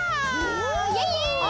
イエイイエイ！